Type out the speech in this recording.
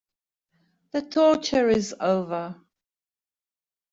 The torture is over.